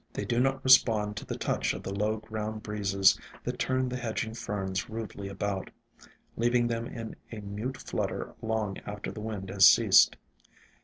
They do not respond to the touch of the low ground breezes that turn the hedging Ferns rudely about, H 114 IN SILENT WOODS leaving them in a mute flutter long after the wind has ceased.